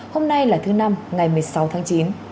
hôm nay là thứ năm ngày một mươi sáu tháng chín